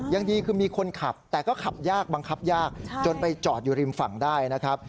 ยังดีคือมีคนขับแต่ก็ขับยากบังคับยากจนไปจอดอยู่ริมฝั่งได้นะครับ